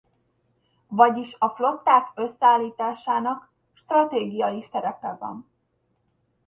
Vagyis a flották összeállításának stratégiai szerepe van.